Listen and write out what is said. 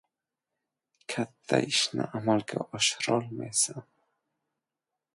Katta ishni amalga oshirolmaysan!